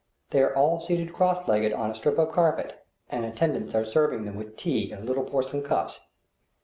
They are all seated cross legged on a strip of carpet, and attendants are serving them with tea in little porcelain cups.